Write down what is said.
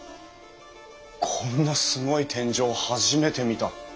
こんなすごい天井初めて見た！